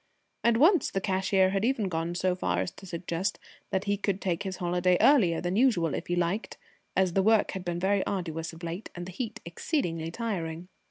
And once the cashier had even gone so far as to suggest that he could take his holiday earlier than usual if he liked, as the work had been very arduous of late and the heat exceedingly trying.